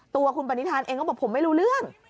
ตัวคุณปณิธานเองก็บอกผมไม่รู้เรื่อง